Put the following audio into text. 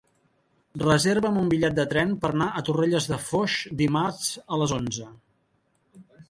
Reserva'm un bitllet de tren per anar a Torrelles de Foix dimarts a les onze.